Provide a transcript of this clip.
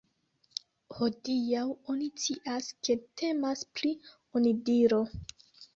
Hodiaŭ oni scias ke temas pri onidiro.